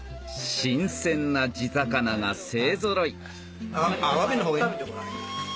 新鮮な地魚が勢ぞろい